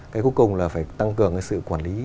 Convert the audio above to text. cái cuối cùng là phải tăng cường cái sự quản lý